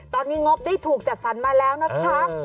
ตอนนี้งบได้ถูกจัดสรรมาแล้วนะคะ